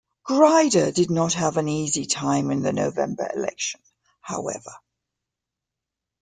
Grider did not have an easy time in the November election, however.